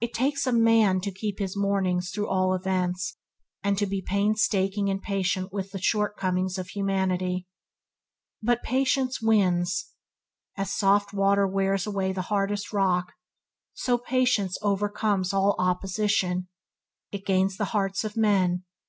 It takes a man to keep his mornings through all events, and to be painstaking and patient with the shortcomings of humanity. But patience wins. As soft water wears away the hardest rock, so patience overcomes all opposition. It gains the hearts of men.